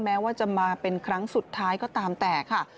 แม้ว่าจะมาเป็นครั้งสุดท้ายก็ตามแต่ค่ะ